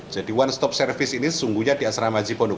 jadi one stop service ini sungguhnya di asrama haji pondok